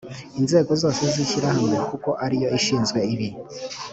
inzego zose z ishyirahamwe kuko ariyo ishinzwe ibi